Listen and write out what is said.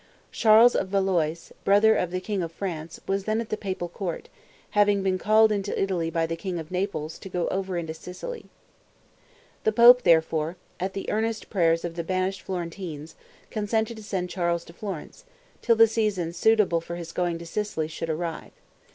Charles of Valois, brother of the king of France, was then at the papal court, having been called into Italy by the king of Naples, to go over into Sicily. The pope, therefore, at the earnest prayers of the banished Florentines, consented to send Charles to Florence, till the season suitable for his going to Sicily should arrive.